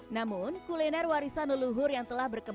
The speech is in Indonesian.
namun kuliner warisan leluhur yang telah berkembang